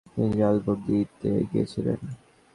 তাঁর দাবি, কারচুপি হবে মনে করেই তিনি জাল ভোট দিতে গিয়েছিলেন।